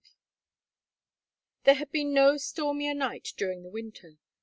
V There had been no stormier night during the winter.